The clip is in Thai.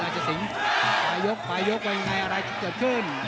ลายจะสิงปลายยกปลายยกว่ายังไงอะไรจะเกิดขึ้น